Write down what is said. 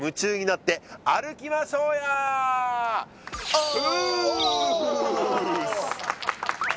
オー！